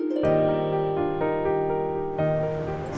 sampai jumpa lagi